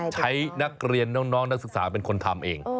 ใช้นักเรียนน้องนักศึกษาเป็นคนทำเอง